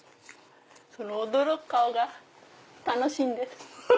その驚く顔が楽しいんです。